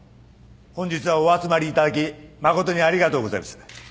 本日はお集まりいただき誠にありがとうございます。